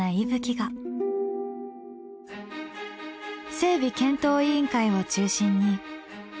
整備検討委員会を中心に。